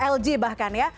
lg bahkan ya